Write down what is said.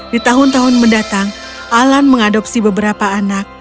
di tahun tahun mendatang alan mengadopsi beberapa anak